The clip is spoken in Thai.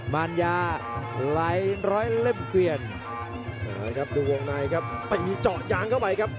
มารยาหลายร้อยเล่มเกวียนดูวงในครับแต่มีเจาะยางเข้าไปครับ